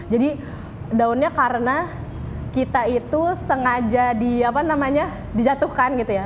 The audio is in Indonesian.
jadi downnya karena kita itu sengaja di apa namanya dijatuhkan gitu ya